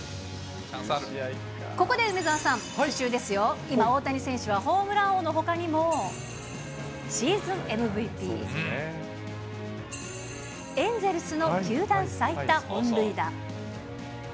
ここで梅澤さん、今週ですよ、今、大谷選手はホームラン王のほかにも、シーズンＭＶＰ、エンゼルスの球団最多本塁打。